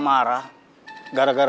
iya saya sendiri